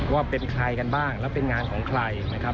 ว่าเป็นใครกันบ้างแล้วเป็นงานของใครนะครับ